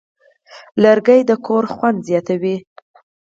لرګی د کور خوند زیاتوي.